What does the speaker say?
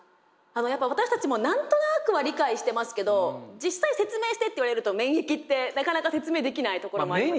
やっぱ私たちも何となくは理解してますけど実際説明してって言われると免疫ってなかなか説明できないところもありますよね。